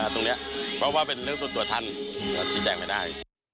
ตรงนี้เพราะว่าเป็นเรื่องส่วนตัวท่านก็ชี้แจงไม่ได้